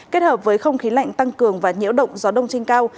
kết hợp với không khí lạnh tăng cường và nhiễu động gió đông trên cao